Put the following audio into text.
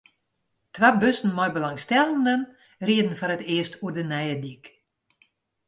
Twa bussen mei belangstellenden rieden foar it earst oer de nije dyk.